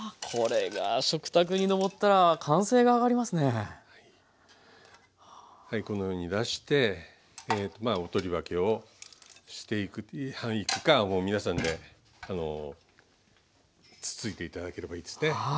はいこのように出してお取り分けをしていくかもう皆さんでつついて頂ければいいですね。